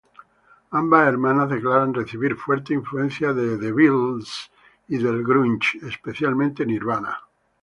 Ambas hermanas declaran recibir fuertes influencias de The Beatles y del grunge, especialmente Nirvana.